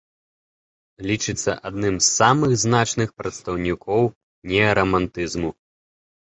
Лічыцца адным з самых значных прадстаўнікоў неарамантызму.